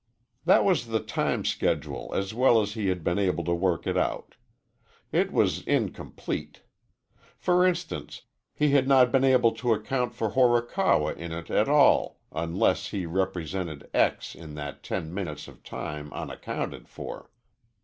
That was the time schedule as well as he had been able to work it out. It was incomplete. For instance, he had not been able to account for Horikawa in it at all unless he represented X in that ten minutes of time unaccounted for.